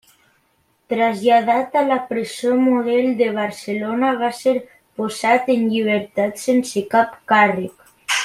Traslladat a la Presó Model de Barcelona va ser posat en llibertat sense cap càrrec.